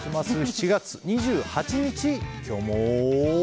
７月２８日、今日も。